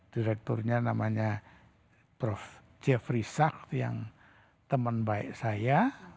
direkturnya namanya prof jeffrey sak yang teman baik saya